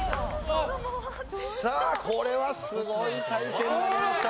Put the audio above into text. さあこれはすごい対戦になりました。